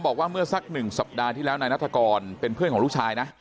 บอกว่าเมื่อสักหนึ่งสัปดาห์ที่แล้วนายนัฐกรเป็นเพื่อนของลูกชายนะ